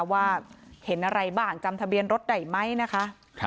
ว่าเห็นอะไรบ้างจำทะเบียนรถได้ไหมนะคะ